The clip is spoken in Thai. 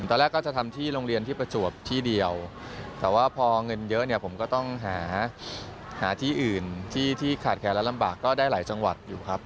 ตอนแรกก็จะทำที่โรงเรียนที่ประจวบที่เดียวแต่ว่าพอเงินเยอะเนี่ยผมก็ต้องหาหาที่อื่นที่ขาดแคลนและลำบากก็ได้หลายจังหวัดอยู่ครับ